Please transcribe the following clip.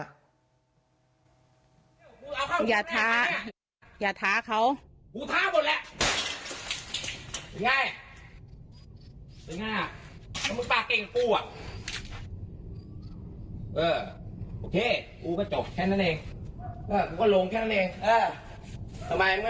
อย่าท้าอย่าท้าเขา